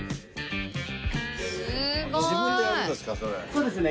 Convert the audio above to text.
そうですね。